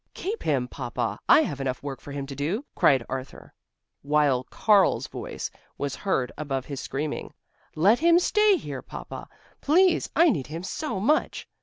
"Keep him, Papa, I have enough work for him to do!" cried Arthur, while Karl's voice was heard above his screaming: "Let him stay here, Papa, please, I need him so much!"